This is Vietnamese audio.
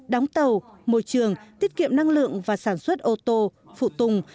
đóng tàu môi trường tiết kiệm năng lượng và sản xuất ô tô phụ tùng